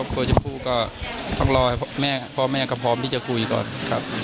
กับครอบครัวเจ้าผู้ก็ต้องรอให้พ่อแม่กับพร้อมที่จะคุยก่อนครับ